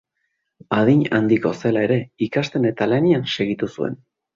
Adin handiko zela ere, ikasten eta lanean segitu zuen.